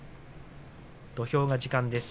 土俵が時間です。